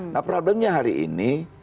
nah problemnya hari ini